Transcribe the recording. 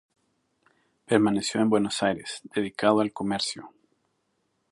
Permaneció en Buenos Aires, dedicado al comercio.